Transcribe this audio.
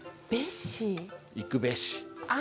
「行くべし」。